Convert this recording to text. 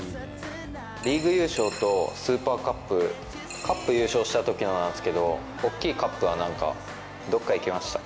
リーグ優勝とスーパーカップ、カップ優勝したときのなんですけど、おっきいカップはどっかいきました。